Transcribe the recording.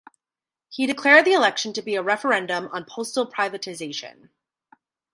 He declared the election to be a referendum on postal privatization.